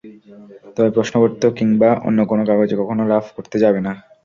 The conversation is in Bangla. তবে প্রশ্নপত্র কিংবা অন্য কোনো কাগজে কখনো রাফ করতে যাবে না।